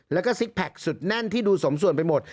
แล้วก็ซิกแพคสุดแน่นที่ดูสมส่วนไปหมด